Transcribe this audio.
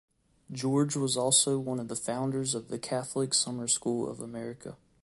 George was also one of the founders of the Catholic Summer School of America.